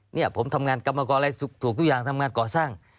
เนี่ยผมทำงานกรรมกรอะไรถูกทุกอย่างทำงานก่อสร้าง